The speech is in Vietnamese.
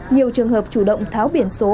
nhiều trường hợp chủ động tháo biển số